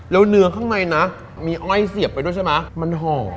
แล้วเนื้อข้างในนะมีอ้อยเสียบไปด้วยใช่ไหมมันห่อ